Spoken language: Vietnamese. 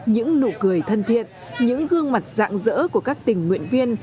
những nụ cười thân thiện những gương mặt dạng dỡ của các tình nguyện viên